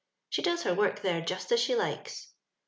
She does her woifc there Just as she likes.